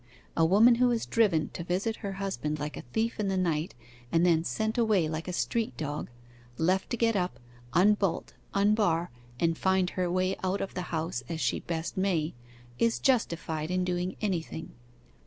A woman who is driven to visit her husband like a thief in the night and then sent away like a street dog left to get up, unbolt, unbar, and find her way out of the house as she best may is justified in doing anything.